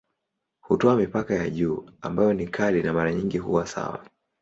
Hutoa mipaka ya juu ambayo ni kali na mara nyingi huwa sawa.